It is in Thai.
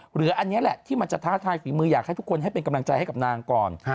หรืออันนี้แหละที่มันจะท้าทายฝีมืออยากให้ทุกคนให้เป็นกำลังใจให้กับนางก่อน